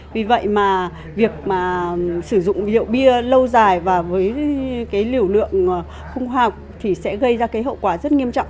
vì vậy việc sử dụng rượu bia lâu dài và với liều lượng không hoạc sẽ gây ra hậu quả rất nghiêm trọng